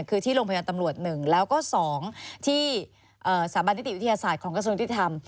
คือที่โรงพยาบาลตำรวจ๑แล้วก็๒ที่สถาบันนิติวิทยาศาสตร์ของกระทรวงยุติธรรม